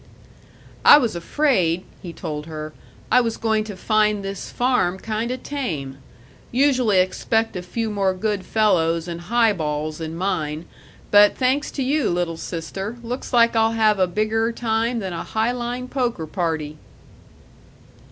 "I was afraid," he told her, "I was going to find this farm kinda tame. Usually expect a few more good fellows and highballs in mine, but thanks to you, little sister, looks like I'll have a bigger time than a high line poker Party."